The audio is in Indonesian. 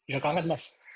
gak kangen mas